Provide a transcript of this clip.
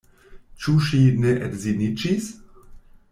Ĉu ŝi ne edziniĝis?